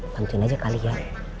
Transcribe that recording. bantuin aja kali ya